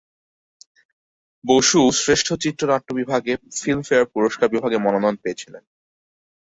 বসু শ্রেষ্ঠ চিত্রনাট্য বিভাগে ফিল্মফেয়ার পুরস্কার বিভাগে মনোনয়ন পেয়েছিলেন।